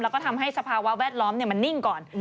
แล้วก็ทำให้สภาวะแวดล้อมมันนิ่งก่อน